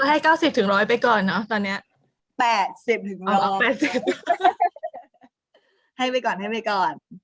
ให้๙๐๑๐๐ไปก่อนเนอะตอนนี้๘๐๑๘๐ให้ไปก่อนให้ไปก่อน